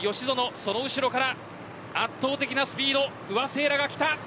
その後ろから圧倒的なスピード不破聖衣来が来た。